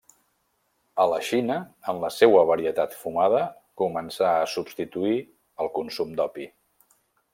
A la Xina, en la seua varietat fumada, començà a substituir el consum d'opi.